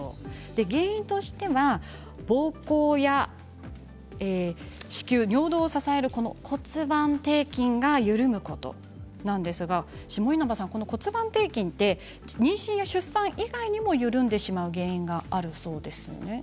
原因としてはぼうこうや、子宮、尿道を支える骨盤底筋が緩むことなんですが下稲葉さん、骨盤底筋って妊娠や出産以外にも緩んでしまう原因があるそうですね。